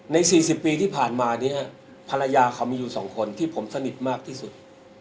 ๔๐ปีที่ผ่านมาเนี่ยภรรยาเขามีอยู่๒คนที่ผมสนิทมากที่สุด